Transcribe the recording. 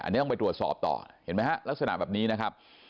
อันนี้ต้องไปตรวจสอบต่อเห็นไหมฮะลักษณะแบบนี้นะครับ